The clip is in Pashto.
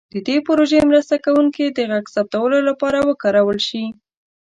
د دې پروژې مرسته کوونکي د غږ ثبتولو لپاره وکارول شي.